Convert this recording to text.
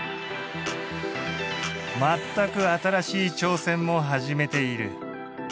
全く新しい挑戦も始めている。